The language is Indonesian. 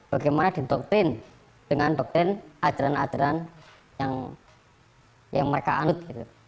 bagaimana didoktrin dengan doktrin ajaran ajaran yang mereka anut